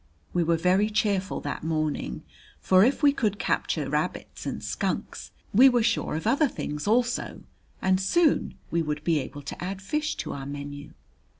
We were very cheerful that morning, for if we could capture rabbits and skunks, we were sure of other things, also, and soon we would be able to add fish to our menu.